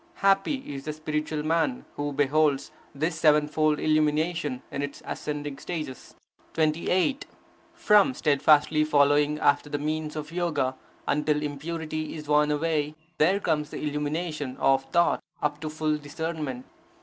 Happy is the spiritual man who beholds this seven fold illumination in its ascending stages. 28. From steadfastly following after the means of Yoga, until impurity is worn away, there comes the illumination of thought up to full discernment.